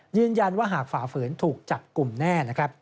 ยืนยันว่าหากฝ่าเผือนถูกจัดกลุ่มแน่